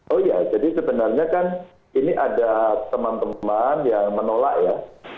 oh ya jadi sebenarnya kan ini ada teman teman yang menolak ya